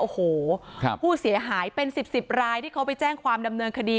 โอ้โหผู้เสียหายเป็น๑๐๑๐รายที่เขาไปแจ้งความดำเนินคดี